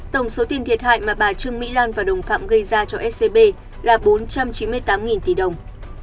tổng số tiền thiệt hại mà bà trương mỹ lan và đồng phạm gây ra cho scb là bốn trăm chín mươi tám tỷ đồng